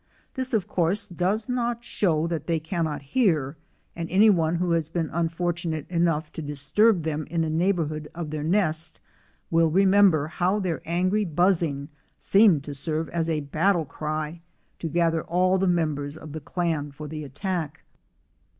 This of course does not show that they cannot hear, and any one who has been unfortunate enough to disturb them in the neighborhood of their nest will remember how their angry buzzing seemed to serve as a battle cry to gather all the members of the clan for the attack.